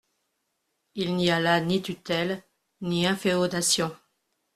Il n’y a là ni tutelle, ni inféodation.